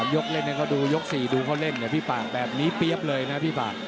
๓ยกเล่นนี่เนี่ยพี่ป่าวแบบนี้เปรี๊ยบเลยนะพี่ป่าว